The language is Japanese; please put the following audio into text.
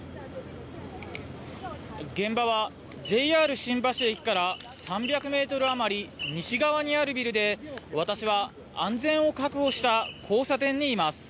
現場はＪＲ新橋駅から３００メートル余り西側にあるビルで、私は、安全を確保した交差点にいます。